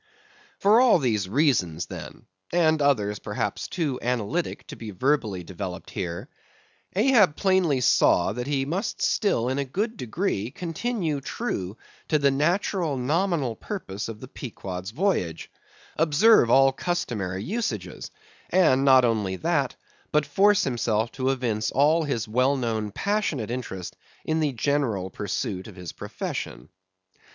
For all these reasons then, and others perhaps too analytic to be verbally developed here, Ahab plainly saw that he must still in a good degree continue true to the natural, nominal purpose of the Pequod's voyage; observe all customary usages; and not only that, but force himself to evince all his well known passionate interest in the general pursuit of his profession.